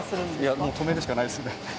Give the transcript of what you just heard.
もう止めるしかないですね。